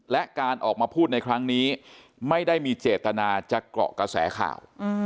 และการออกมาพูดในครั้งนี้ไม่ได้มีเจตนาจะเกาะกระแสข่าว